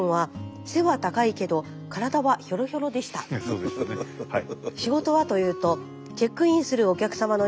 そうでしたねはい。